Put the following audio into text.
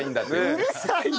うるさいな！